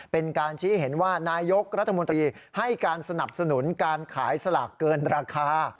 เป็นการชี้เห็นว่านายกรัฐมนตรีให้การสนับสนุนการขายสลากเกินราคา